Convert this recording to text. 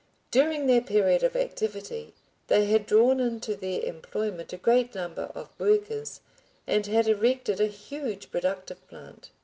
During their period of activity they had drawn into their employment a great number of workers, and had erected a huge productive plant.